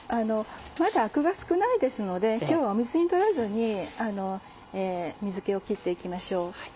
まだアクが少ないですので今日は水に取らずに水気を切って行きましょう。